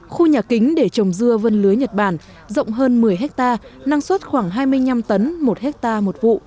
khu nhà kính để trồng dưa vân lưới nhật bản rộng hơn một mươi hectare năng suất khoảng hai mươi năm tấn một hectare một vụ